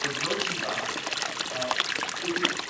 Carol Danvers rushes Jessica to the hospital.